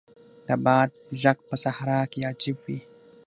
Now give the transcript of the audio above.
د باد ږغ په صحرا کې عجیب وي.